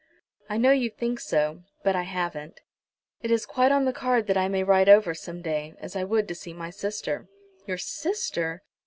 "I know you think so; but I haven't. It is quite on the card that I may ride over some day, as I would to see my sister." "Your sister!"